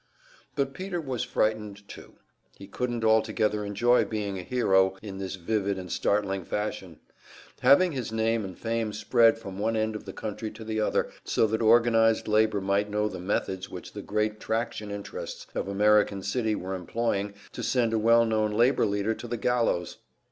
But Peter was frightened, too; he couldn't altogether enjoy being a hero, in this vivid and startling fashion; having his name and fame spread from one end of the country to the other, so that organized labor might know the methods which the great traction interests of American City were employing to send a well known labor leader to the gallows!